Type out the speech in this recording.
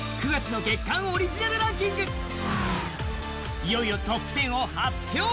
いよいよトップ１０を発表。